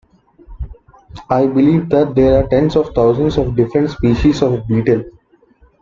I believe that there are tens of thousands of different species of beetle